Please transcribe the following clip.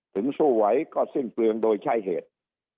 ถึงสู้ไหวก็ซึ่งเปลืองโดยใช่เหตุ